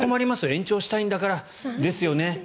延長したいんだから。ですよねと。